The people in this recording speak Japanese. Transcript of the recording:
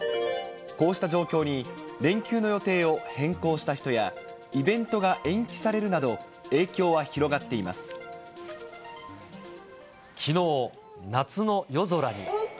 こうした状況に、連休の予定を変更した人や、イベントが延期されるなど、きのう、夏の夜空に。